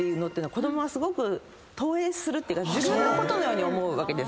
子供はすごく投影するっていうか自分のことのように思うわけです。